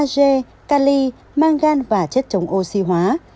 g cali mangan và chất chống oxy hóa